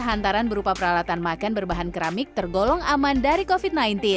hantaran berupa peralatan makan berbahan keramik tergolong aman dari covid sembilan belas